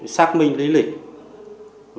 xác minh lý lịch